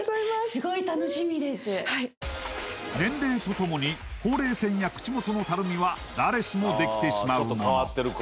年齢とともにほうれい線や口元のたるみは誰しもできてしまうもの